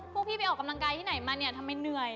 พวกพี่ไปกำลังกายที่ไหนล่ะทำไมเหนื่อย